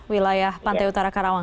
wilayah pantai utara karawang